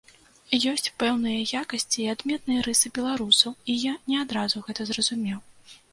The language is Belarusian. Ёсць пэўныя якасці і адметныя рысы беларусаў, і я не адразу гэта зразумеў.